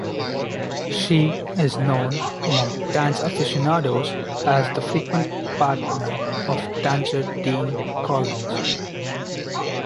She is known among dance aficionados as the frequent partner of dancer Dean Collins.